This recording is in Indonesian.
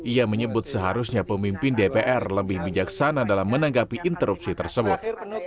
ia menyebut seharusnya pemimpin dpr lebih bijaksana dalam menanggapi interupsi tersebut